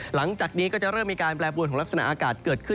หลังจากนี้ก็จะเริ่มมีการแปรปวนของลักษณะอากาศเกิดขึ้น